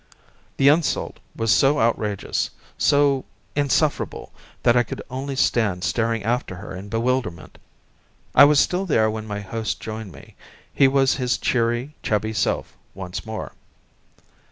The insult was so outrageous, so insufferable, that I could only stand staring after her in bewilderment. I was still there when my host joined me. He was his cheery, chubby self once more.